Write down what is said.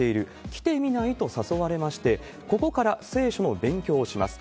来てみない？と誘われまして、ここから聖書の勉強をします。